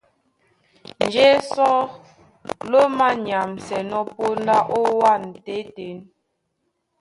Njé sɔ́ ló manyamsɛnɔ́ póndá ówân tětē.